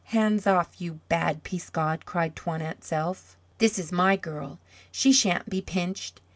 "Hands off, you bad Peascod!" cried Toinette's elf. "This is my girl. She shan't be pinched!"